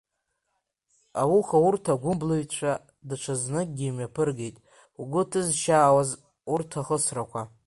Ауха урҭ агәымблыҩцәа даҽазныкгьы имҩаԥыргеит угәы ҭызшьаауаз урҭ ахысрақәа.